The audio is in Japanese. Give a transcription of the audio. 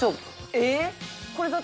えっ？